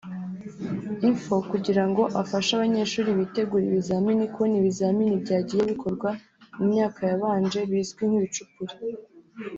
Info kugira ngo afashe abanyeshuri bitegura ibizamini kubona ibizamini byagiye bikorwa mu myaka yabanje bizwi nk’ ibicupuri